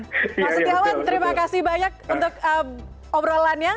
pak setiawan terima kasih banyak untuk obrolannya